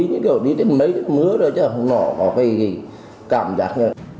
như kiểu đi tới mấy mứa rồi chứ không có cái cảm giác